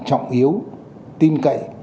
trọng yếu tin cậy